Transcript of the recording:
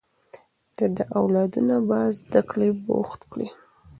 د ده اولادونه په زده کړې بوخت دي